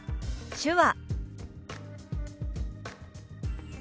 「手話」。